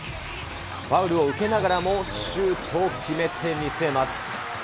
ファウルを受けながらもシュートを決めて見せます。